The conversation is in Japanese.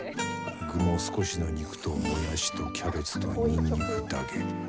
具も少しの肉ともやしとキャベツとにんにくだけ。